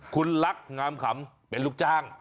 คุณลักษณ์งามขำเป็นลูกจ้าง